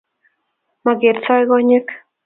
makertoi konyek